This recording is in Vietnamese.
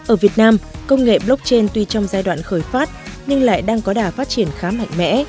ở việt nam công nghệ blockchain tuy trong giai đoạn khởi phát nhưng lại đang có đà phát triển khá mạnh mẽ